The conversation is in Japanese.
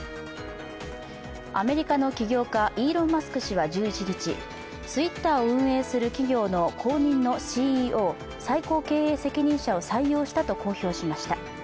アメリカの企業家、イーロン・マスク氏は１１日、Ｔｗｉｔｔｅｒを運営する企業の公認のＣＥＯ＝最高経営責任者を採用したと公表しました。